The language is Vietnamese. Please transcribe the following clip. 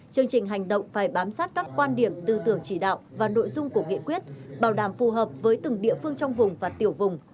chương trình hành động phải bám sát các quan điểm tư tưởng chỉ đạo và nội dung của nghị quyết bảo đảm phù hợp với từng địa phương trong vùng và tiểu vùng